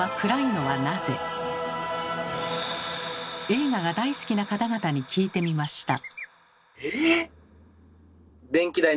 映画が大好きな方々に聞いてみました。